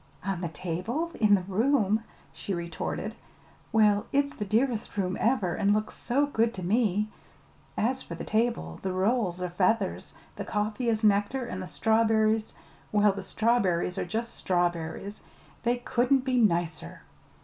"On the table? In the room?" she retorted. "Well, it's the dearest room ever, and looks so good to me! As for the table the rolls are feathers, the coffee is nectar, and the strawberries well, the strawberries are just strawberries they couldn't be nicer."